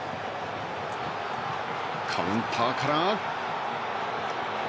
カウンターから。